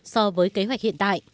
so với kế hoạch hiện tại